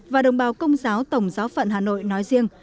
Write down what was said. và đồng bào công giáo tổng giáo phận hà nội nói riêng